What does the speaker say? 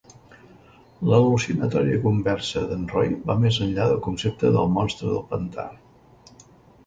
L'al·lucinatòria converse d'en Roy va més enllà del concepte del Monstre del pantà.